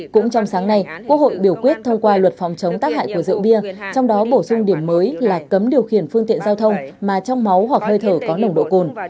cũng trong sáng nay quốc hội biểu quyết thông qua luật phòng chống tác hại của rượu bia trong đó bổ sung điểm mới là cấm điều khiển phương tiện giao thông mà trong máu hoặc hơi thở có nồng độ cồn